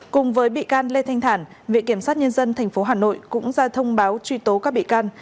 cùng với bị can lê thanh thản viện kiểm sát nhân dân tp hà nội cũng ra thông báo truy tố các bị can